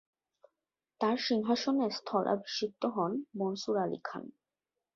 তাঁর সিংহাসনে স্থলাভিষিক্ত হন মনসুর আলী খান।